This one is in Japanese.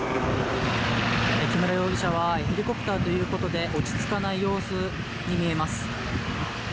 木村容疑者はヘリコプターということで落ち着かない様子に見えます。